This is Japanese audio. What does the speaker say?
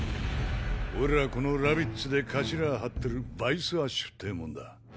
おいらこのラビッツで頭張ってるヴァイスアッシュって者だ。